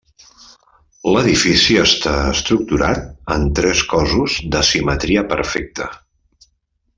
L'edifici està estructurat en tres cossos de simetria perfecta.